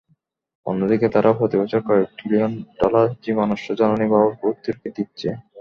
অন্যদিকে তারা প্রতিবছর কয়েক ট্রিলিয়ন ডলার জীবাশ্ম জ্বালানি বাবদ ভর্তুকি দিচ্ছে।